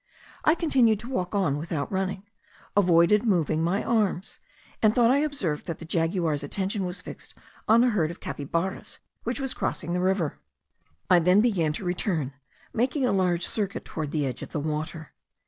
I continued to walk on without running, avoided moving my arms, and I thought I observed that the jaguar's attention was fixed on a herd of capybaras which was crossing the river. I then began to return, making a large circuit toward the edge of the water.